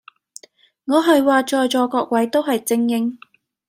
我係話在座各位都係精英